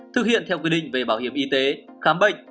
thực hiện theo quy định về bảo hiểm y tế khám bệnh